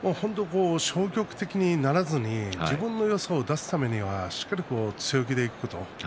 消極的にならずに自分のよさを出すためにはしっかりと強気でいくこと。